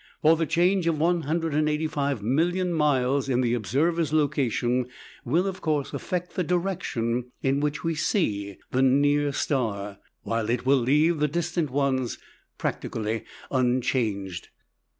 For the change of 185,000,000 miles in the observer's location will, of course, affect the direction in which we see the near star, while it will leave the distant ones practically unchanged.